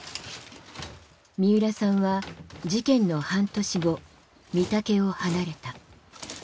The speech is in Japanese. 三浦さんは事件の半年後金峰を離れた。